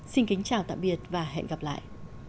xin kính chào tạm biệt và hẹn gặp lại